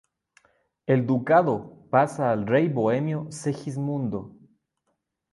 El ducado pasa al rey bohemio Segismundo.